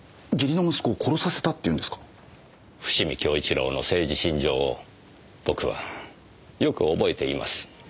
良の政治信条を僕はよく覚えています。